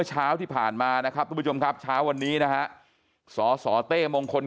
เช้าที่ผ่านมานะครับทุกผู้ชมครับเช้าวันนี้นะฮะสสเต้มงคล